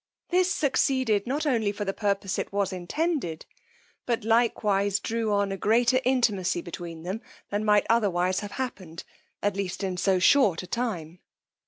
This succeeded not only for the purpose it was intended, but likewise drew on a greater intimacy between them than might otherwise have happened, at least in so short a time.